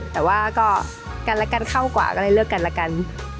แต่ว่ากันละกันเข้ากว่าแล้วเริ่มกันละกัน